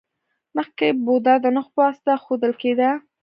مخکې بودا د نښو په واسطه ښودل کیده